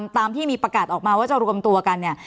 ตามที่มีประกาศออกมาว่าจะรวมตัวกันเนี่ย